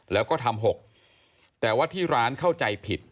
แล้วก็ทำ๖แต่ว่าที่ร้านเข้าใจผิด